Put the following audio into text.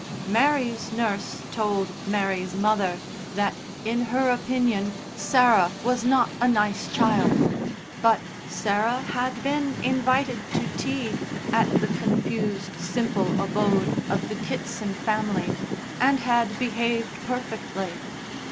Mary's nurse told Mary's mother that, in her opinion, Sarah was not a nice child. But Sarah had been invited to tea at the confused, simple abode of the Kitson family, and had behaved perfectly.